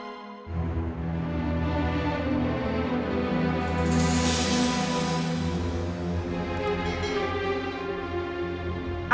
anda sudah berbunuh